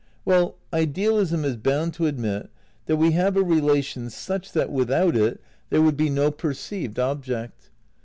Well, idealism is bound to admit that we have a rela tion such that without it there would be no perceived object.